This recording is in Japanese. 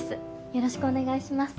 よろしくお願いします。